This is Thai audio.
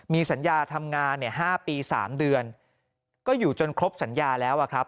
มีสัญญาทำงานเนี่ย๕ปี๓เดือนก็อยู่จนครบสัญญาแล้วอะครับ